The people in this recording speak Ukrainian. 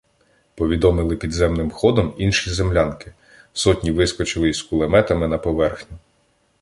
Повідомили підземним ходом інші землянки, сотні вискочили із кулеметами на поверхню.